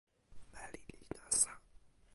meli li nasa.